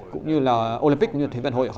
cũng như là olympic như là thế vận hội